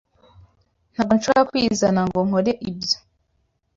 Ntabwo nshobora kwizana ngo nkore ibyo.